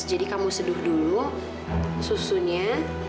jadi kamu seduk dulu susunya